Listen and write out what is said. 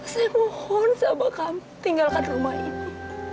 saya mohon sama kamu tinggalkan rumah ini